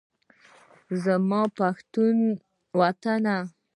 زما پښتون وطن